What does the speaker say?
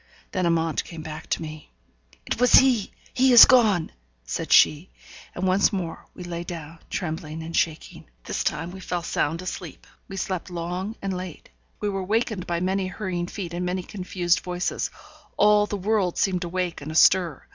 Then Amante came back to me. 'It was he! he is gone!' said she, and once more we lay down, trembling and shaking. This time we fell sound asleep. We slept long and late. We were wakened by many hurrying feet, and many confused voices; all the world seemed awake and astir.